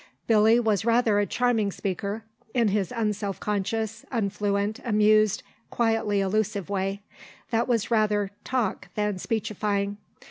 Billy was rather a charming speaker, in his unselfconscious, unfluent, amused, quietly allusive way, that was rather talk than speechifying.